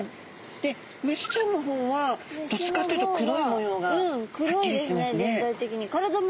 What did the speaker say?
でメスちゃんの方はどっちかっていうと黒い模様がはっきりしてますね。